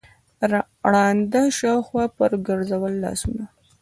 ړانده شاوخوا پر ګرځول لاسونه